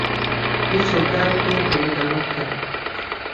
هیچ هۆکارێک نییە کە من ئەمە بکەم.